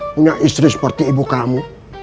punya istri seperti ibu kamu